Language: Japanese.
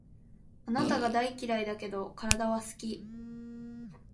あなたが大嫌いだけど、体は好き